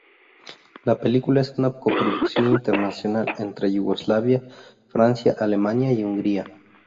La película es una coproducción internacional entre Yugoslavia, Francia, Alemania y Hungría.